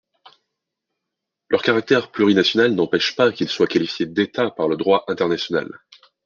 Leur caractère plurinational n'empêche pas qu'ils soient qualifiés d'Etat par le droit international.